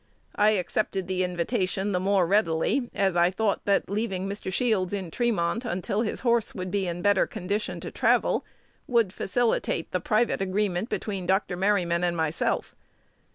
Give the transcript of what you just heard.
I accepted the invitation the more readily, as I thought, that leaving Mr. Shields in Tremont until his horse would be in better condition to travel would facilitate the private agreement between Dr. Merryman and myself.